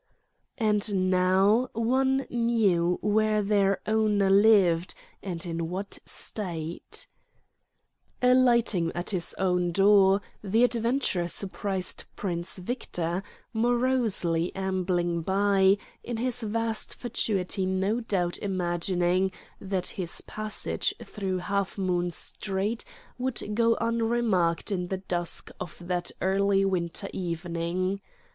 And now one knew where their owner lived, and in what state ... Alighting at his own door, the adventurer surprised Prince Victor, morosely ambling by, in his vast fatuity no doubt imagining that his passage through Halfmoon Street would go unremarked in the dusk of that early winter evening.